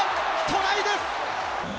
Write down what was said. トライです！